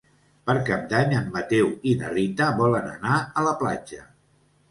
Per Cap d'Any en Mateu i na Rita volen anar a la platja.